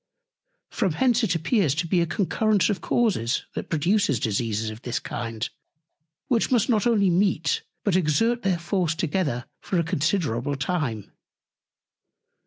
From hence it appears to be a Concurrence of Causes, that produces Diseases of this Kind; which must not only meet, but exert their Force together for a considerable time.